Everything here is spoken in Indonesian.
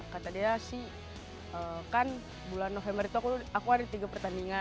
kata dia sih kan bulan november itu aku ada tiga pertandingan